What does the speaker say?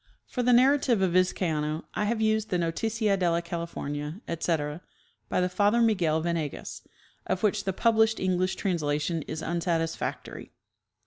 For the narrative of Vizcaino I have used the " Noticia de la California," etc, by the Father Miguel Venegas, of which the published English translation is unsatisfactory.